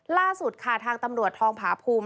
ล่าสุดค่ะทางตำรวจทองผาภูมิ